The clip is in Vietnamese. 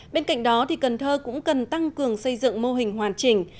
bên cạnh đó cần thơ cũng cần tăng cường xây dựng mô hình hoàn chỉnh